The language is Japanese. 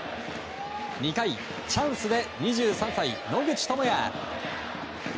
２回、チャンスで２３歳、野口智哉。